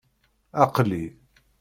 Aql-i.